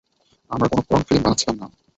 আমরা কোন পর্ণফিল্ম বানাচ্ছিলাম না।